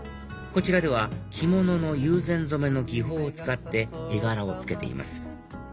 こちらでは着物の友禅染めの技法を使って絵柄をつけています